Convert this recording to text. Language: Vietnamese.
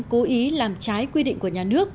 vụ án cố ý làm trái quy định của nhà nước